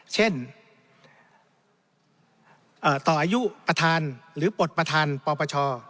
เช่นต่ออายุประธานหรือปลดประธานปปช